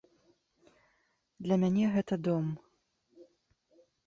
Для мяне гэта дом.